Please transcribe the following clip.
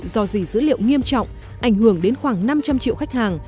dò dị dữ liệu nghiêm trọng ảnh hưởng đến khoảng năm trăm linh triệu khách hàng